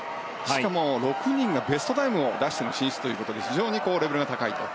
しかも６人がベストタイムを出しての進出ということで非常にレベルが高いと。